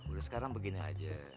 udah sekarang begini aja